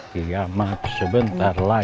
kiamat sebentar lagi